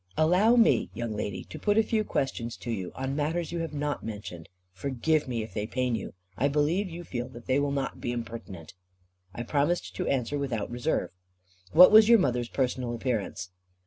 "Allow me, young lady, to put a few questions to you, on matters you have not mentioned. Forgive me, if they pain you. I believe you feel that they will not be impertinent." I promised to answer without reserve. "What was your mother's personal appearance?"